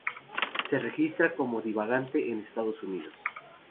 Se registra como divagante en Estados Unidos.